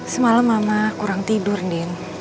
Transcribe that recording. semalam mama kurang tidur din